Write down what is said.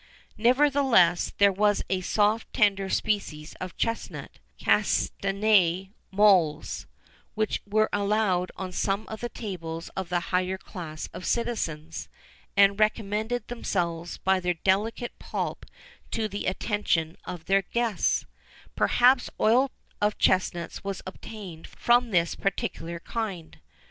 Nevertheless, there was a soft and tender species of chesnut, Castaneæ molles,[XIV 39] which were allowed on some of the tables of the higher class of citizens, and recommended themselves by their delicate pulp to the attention of the guests;[XIV 40] perhaps oil of chesnuts was obtained from this particular kind.